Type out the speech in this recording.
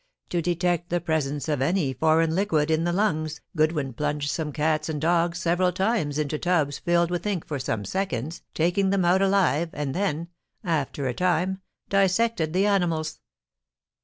"To detect the presence of any foreign liquid in the lungs, Goodwin plunged some cats and dogs several times into tubs filled with ink for some seconds, taking them out alive, and then, after a time, dissected the animals.